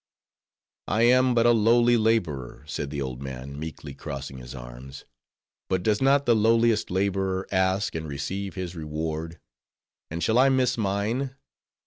"I am but a lowly laborer," said the old man, meekly crossing his arms, "but does not the lowliest laborer ask and receive his reward? and shall I miss mine?